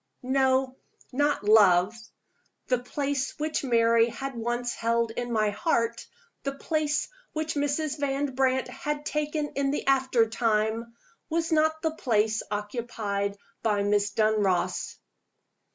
No: not love. The place which Mary had once held in my heart, the place which Mrs. Van Brandt had taken in the after time, was not the place occupied by Miss Dunross.